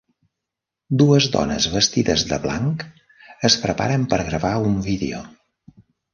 dues dones vestides de blanc es preparen per gravar un vídeo.